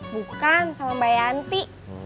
bukan sama mbak yanti